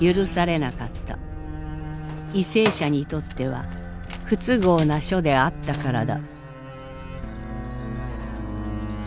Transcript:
為政者にとっては不都合な書であったからだ。